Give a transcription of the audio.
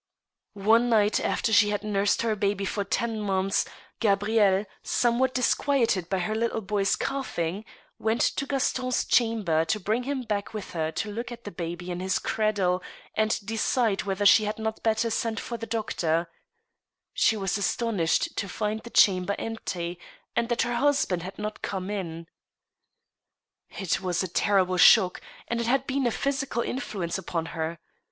One night, after she had nursed her baby for ten months, Ga brielle, somewhat disquieted by her little boy's coughing, went to Gaston's chamber to bring him back with her to look at the baby in his cradle, and decide whether she had not better send for the doc tor ; she was astonished to find the chamber empty, and that her husband had not come in. It was a terrible shock, and it had even a physical influence upon her.